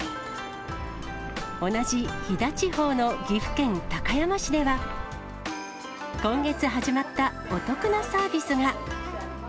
同じ飛騨地方の岐阜県高山市では、今月始まったお得なサービスが。